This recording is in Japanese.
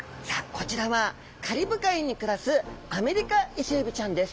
こちらはカリブ海に暮らすアメリカイセエビちゃんです！